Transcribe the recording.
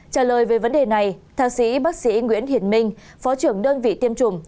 trả lời về vấn đề này thạc sĩ bác sĩ nguyễn hiện minh phó trưởng đơn vị tiêm chủng